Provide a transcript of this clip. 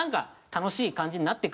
楽しい感じになっていく？